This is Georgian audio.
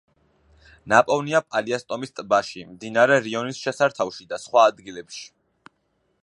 ნაპოვნია პალიასტომის ტბაში, მდინარე რიონის შესართავში და სხვა ადგილებში.